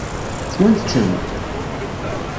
Swant-ten?